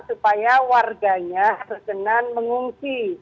supaya warganya senang mengungsi